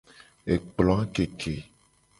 Ekploa keke.